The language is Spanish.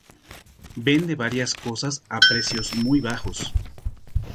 Vende varias cosas a precios muy bajos.